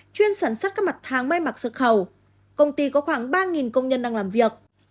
chuyên sản xuất các mặt tháng mây mặt xuất khẩu công ty có khoảng ba công nhân đang làm việc